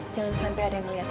jangan sampai ada yang melihat